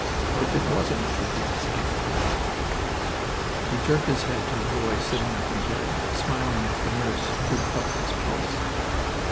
If it wasn't for gas gangrene " He jerked his head to a boy sitting up in bed, smiling at the nurse who felt his pulse.